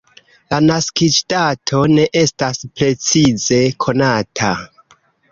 La naskiĝdato ne estas precize konata.